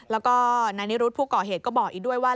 แล้วก็นายนิรุธผู้ก่อเหตุก็บอกอีกด้วยว่า